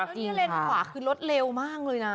แล้วนี่เลนขวาคือรถเร็วมากเลยนะ